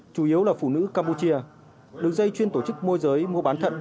chủ yếu là phụ nữ campuchia đường dây chuyên tổ chức môi giới mua bán thận